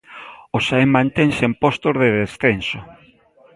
O Xaén mantense en postos de descenso.